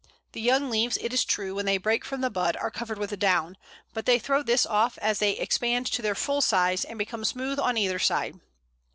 The young leaves, it is true, when they break from the bud, are covered with down, but they throw this off as they expand to their full size, and become smooth on either side.